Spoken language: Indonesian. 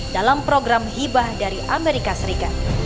dalam program hibah dari amerika serikat